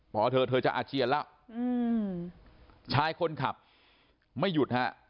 พอเธอเธอจะอาเจียนแล้วชายคนขับไม่หยุดฮะ